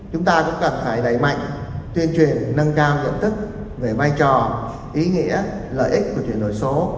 chúng ta cũng cần phải đẩy mạnh tuyên truyền nâng cao nhận thức về vai trò ý nghĩa lợi ích của chuyển đổi số